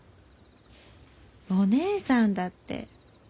お義姉さんだって。